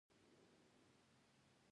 دا عملیه په خپل کور کې تر سره کړئ.